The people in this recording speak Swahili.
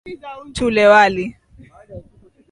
Tule wali.